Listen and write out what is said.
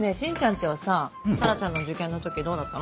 家はさ紗良ちゃんの受験の時どうだったの？